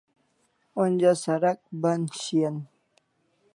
Onja sarak ban shian